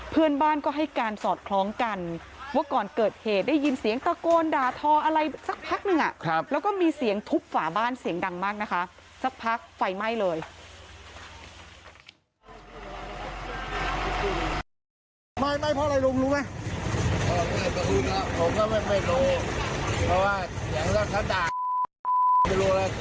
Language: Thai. เมื่อคนอ่ะเพราะก็ไม่รู้